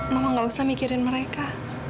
mama gak usah mikirin mereka